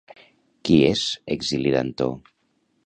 Qui és Exili Dantò?